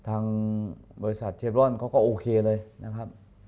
ทางบริษัทเชฟรอนเขาก็โอเคเลยนะครับ